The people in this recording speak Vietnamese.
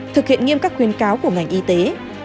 thực hiện nghiêm các khuyến cáo của ngành y tế